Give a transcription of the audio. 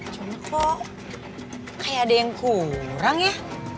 cuma kok kayak ada yang kurang ya